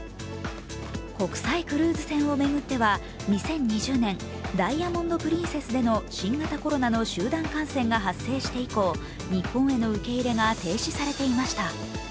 国際クルーズ船を巡っては２０２０年、「ダイヤモンド・プリンセス」での新型コロナの集団感染が発生して以降、日本への受け入れが停止されていました。